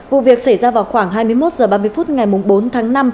vụ việc xảy ra vào khoảng hai mươi một h ba mươi phút ngày bốn tháng năm